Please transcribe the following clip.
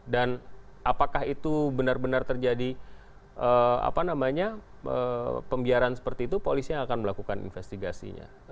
dan apakah itu benar benar terjadi apa namanya pembiaran seperti itu polisi akan melakukan investigasinya